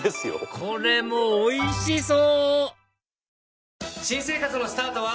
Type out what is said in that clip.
これもおいしそう！